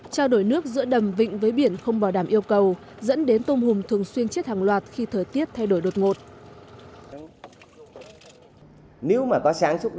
trao đổi nước giữa đầm vịnh với biển không bảo đảm yêu cầu dẫn đến tôm hùm thường xuyên chết hàng loạt khi thời tiết thay đổi đột ngột